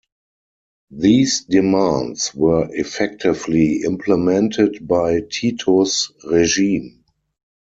These demands were effectively implemented by Tito's regime.